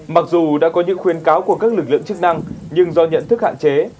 mặc dù đã có những khuyên cáo của các lực lượng chức năng nhưng do nhận thức hạn chế